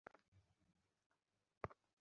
আমরা আমাদের ভাগেরটা পেয়েছি।